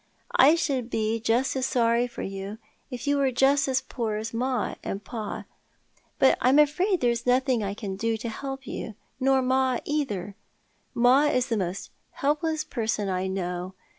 I should be just as sorry for you if you were as poor as ma and jia. But I'm afraid there's nothing I can do to help you — nor ma either. Ma is the most helpless person I know.